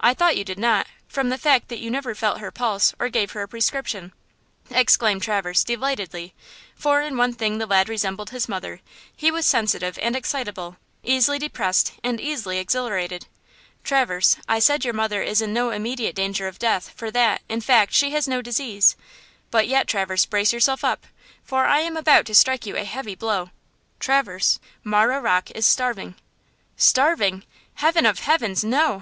I thought you did not, from the fact that you never felt her pulse or gave her a prescription," exclaimed Traverse, delightedly, for in one thing the lad resembled his mother–he was sensitive and excitable–easily depressed and easily exhilarated. "Traverse, I said your mother is in no immediate danger of death, for that, in fact, she has no disease; but yet, Traverse, brace yourself up, for I am about to strike you a heavy blow. Traverse, Marah Rocke is starving!" "Starving! Heaven of heavens! no!